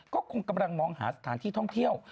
ก็คงกำลังมองหาสถานที่ท่องเที่ยว